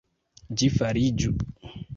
Ĝi fariĝu!